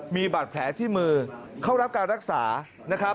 มีบาดแผลที่มือเข้ารับการรักษา